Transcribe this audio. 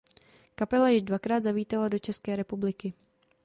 Kapela již dvakrát zavítala do České republiky.